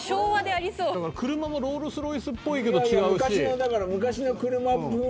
車もロールスロイスっぽいけど違うし。